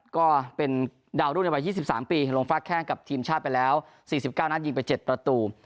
ก็เป็นดาวรุ่นในวัย๒๓ปีลงฟากแข้งกับทีมชาติไปแล้ว๔๙นัดยิงไป๗ประตู